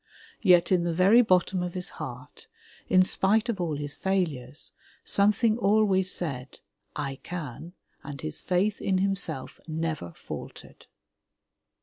Yet in the very bottom of his heart, in spite of all his failures, some thing always said, '*I can,'' and his faith in himself never faltered.